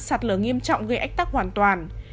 sạt lở nghiêm trọng gây ách tắc hoàn toàn